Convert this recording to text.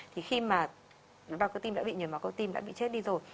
thì khi mà tế bào cơ tim đã bị nhồi máu cơ tim đã bị chết đi rồi